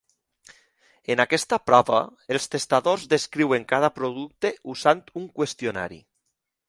En aquesta prova, els tastadors descriuen cada producte usant un qüestionari.